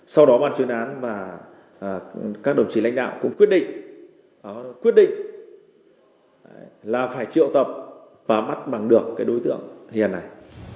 sau đó ban chuyên án và các đồng chí lãnh đạo cũng quyết định quyết định là phải triệu tập và bắt bằng được đối tượng hiền này